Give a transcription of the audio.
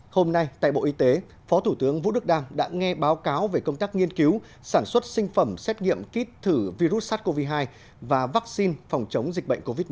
hôm nay tại bộ y tế phó thủ tướng vũ đức đam đã nghe báo cáo về công tác nghiên cứu sản xuất sinh phẩm xét nghiệm kít thử virus sars cov hai và vaccine phòng chống dịch bệnh covid một mươi chín